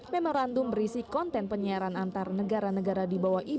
memorandum berisi konten penyiaran antar negara negara di bawah ini